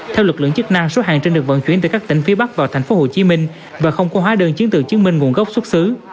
theo lực lượng chức năng số hàng trên được vận chuyển từ các tỉnh phía bắc vào tp hcm và không có hóa đơn chứng từ chứng minh nguồn gốc xuất xứ